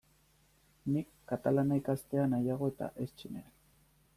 Nik katalana ikastea nahiago eta ez txinera.